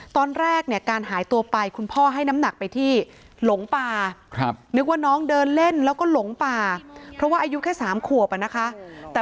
ตอนแรกเนี่ยการหายตัวไปคุณพ่อให้น้ำหนักไปที่หลงป่า